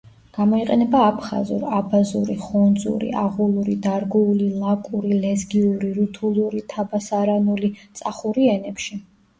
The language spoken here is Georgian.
გამოიყენება აფხაზურ, აბაზური, ხუნძური, აღულური, დარგუული, ლაკური, ლეზგიური, რუთულური, თაბასარანული, წახური ენებში.